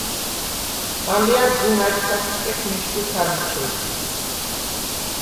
ალჲა̈რ გუნ ა̈დსა̈სტკეხ მიშგუ ქა ლიჩედ.